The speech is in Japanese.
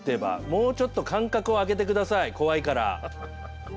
もうちょっと間隔をあけて下さい怖いから。